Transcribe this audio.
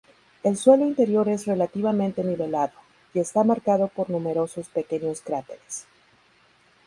El suelo interior es relativamente nivelado, y está marcado por numerosos pequeños cráteres.